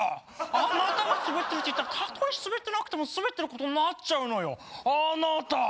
あなたがスベッてるって言ったら例えスベッてなくてもスベッてる事になっちゃうのよ。